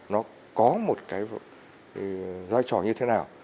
nó có một cái vai trò như thế nào